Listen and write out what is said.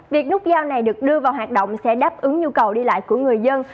việc nút giao này được đưa vào hoạt động sẽ đáp ứng nhu cầu đi lại của người dân